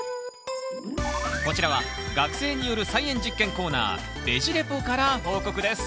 こちらは学生による菜園実験コーナー「ベジ・レポ」から報告です